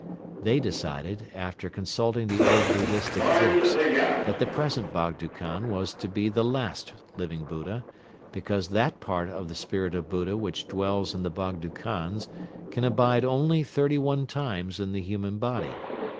They decided, after consulting the old Buddhistic books, that the present Bogdo Khan was to be the last Living Buddha, because that part of the Spirit of Buddha which dwells in the Bogdo Khans can abide only thirty one times in the human body.